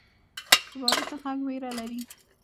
د باروتو غږ ویره لري.